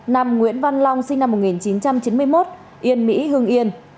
nam nguyễn văn long sinh năm một nghìn chín trăm chín mươi một yên mỹ hương yên